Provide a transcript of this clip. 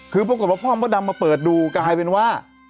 คือปรากฏว่าพ่อมดดำมาเปิดดูกลายเป็นว่า